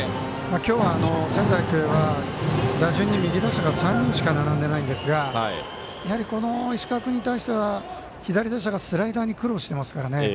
今日は仙台育英は打順に右打者が３人しか並んでいないんですが石川君に対しては、左打者がスライダーに苦労してますからね。